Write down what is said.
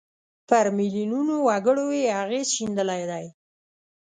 پر میلیونونو وګړو یې اغېز ښندلی دی.